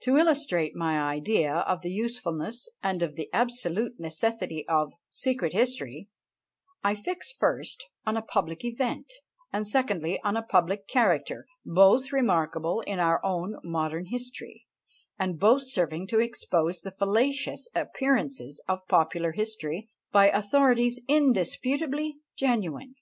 To illustrate my idea of the usefulness and of the absolute necessity of SECRET HISTORY, I fix first on a public event, and secondly on a public character; both remarkable in our own modern history, and both serving to expose the fallacious appearances of popular history by authorities indisputably genuine.